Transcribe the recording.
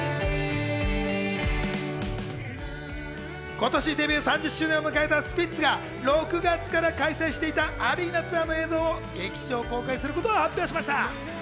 今年デビュー３０周年を迎えたスピッツが、６月から開催していたアリーナツアーの映像を劇場公開することを発表しました。